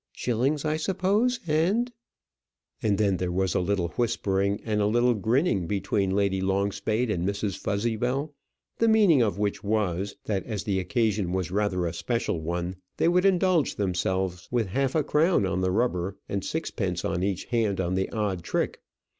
Shillings, I suppose, and " and then there was a little whispering and a little grinning between Lady Longspade and Mrs. Fuzzybell, the meaning of which was, that as the occasion was rather a special one, they would indulge themselves with half a crown on the rubber and sixpence each hand on the odd trick.